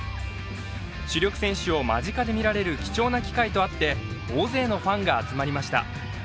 主力選手を間近で見られる貴重な機会とあって大勢のファンが集まりました。